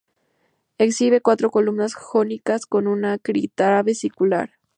Exhibe cuatro columnas jónicas con un Arquitrabe circular.